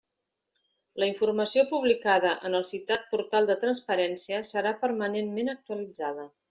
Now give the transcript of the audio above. La informació publicada en el citat Portal de Transparència serà permanentment actualitzada.